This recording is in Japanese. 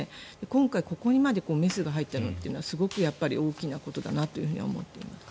今回ここまでメスが入ったのはすごく大きなことだなと思っています。